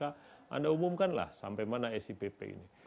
anda umumkan lah sampai mana sipp ini